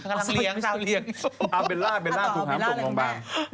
ก็ต่อด้วยเอ้าเบลล่าตกห้ามส่งโรงพยาบาล